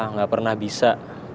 gue gak pernah bisa